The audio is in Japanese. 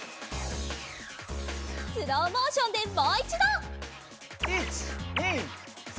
スローモーションでもういちど！